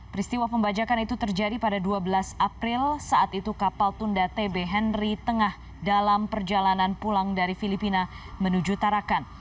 peristiwa pembajakan itu terjadi pada dua belas april saat itu kapal tunda tb henry tengah dalam perjalanan pulang dari filipina menuju tarakan